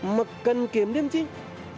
mà cần kiệm liêm chính